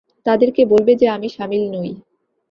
তাদেরকে বলবে যে আমি শামিল নই।